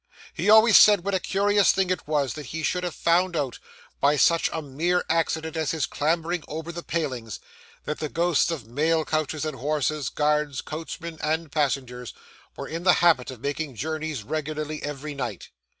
He always said what a curious thing it was that he should have found out, by such a mere accident as his clambering over the palings, that the ghosts of mail coaches and horses, guards, coachmen, and passengers, were in the habit of making journeys regularly every night.